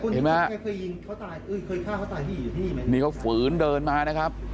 เห็นไหมครับนี่เขาฝืนเดินมานะครับ